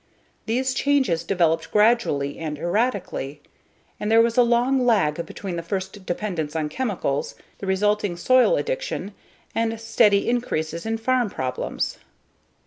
These changes developed gradually and erratically, and there was a long lag between the first dependence on chemicals, the resulting soil addiction, and steady increases in farm problems.